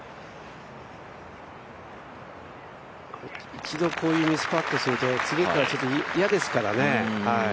一度こういうミスパットすると次から嫌ですからね。